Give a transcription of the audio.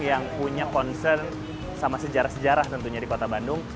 yang punya concern sama sejarah sejarah tentunya di kota bandung